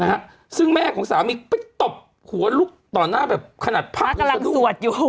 นะฮะซึ่งแม่ของสามีไปตบหัวลูกต่อหน้าแบบขนาดพระกำลังนวดอยู่